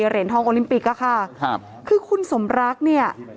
เหรียญทองโอลิมปิกอะค่ะครับคือคุณสมรักเนี่ย